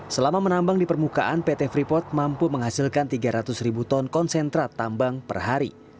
selama menambang di permukaan pt freeport mampu menghasilkan tiga ratus ribu ton konsentrat tambang per hari